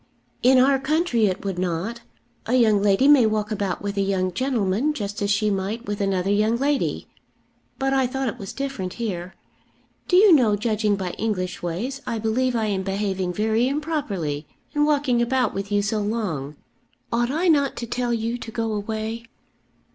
"In our country it would not. A young lady may walk about with a young gentleman just as she might with another young lady; but I thought it was different here. Do you know, judging by English ways, I believe I am behaving very improperly in walking about with you so long. Ought I not to tell you to go away?"